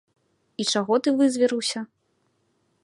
І чаго ты вызверыўся?